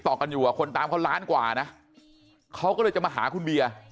กันอยู่อ่ะคนตามเขาล้านกว่านะเขาก็เลยจะมาหาคุณเบียร์